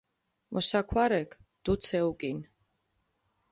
მოსაქვარექ დუც ეუკინჷ.